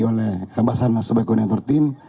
oleh basarnas sebagai koordinator tim